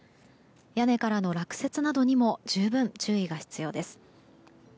屋根からの落雪などにも十分、注意が必要です。